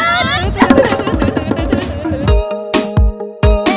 กรุงเทพค่ะ